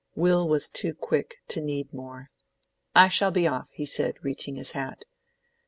Will was too quick to need more. "I shall be off," he said, reaching his hat.